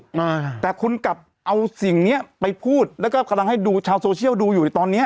อ่าแต่คุณกลับเอาสิ่งเนี้ยไปพูดแล้วก็กำลังให้ดูชาวโซเชียลดูอยู่ในตอนเนี้ย